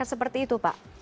seperti itu pak